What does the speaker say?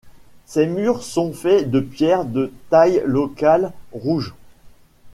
Ses murs sont faits de pierre de taille locale rouge.